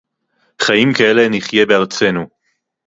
חַיִּים כָּאֵלֶּה נִחְיֶה בְּאַרְצֵינוּ.